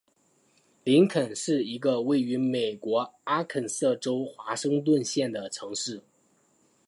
林肯是一个位于美国阿肯色州华盛顿县的城市。